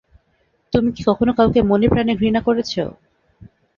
তুমি কি কখনও কাউকে মনে প্রানে ঘৃণা করেছো?